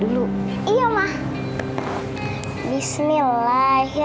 allahumma barik lanafima